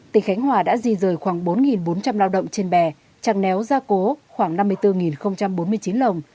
tỉnh khánh hòa đã di rời khoảng bốn bốn trăm linh lao động trên bè chẳng néo gia cố khoảng năm mươi bốn bốn mươi chín lồng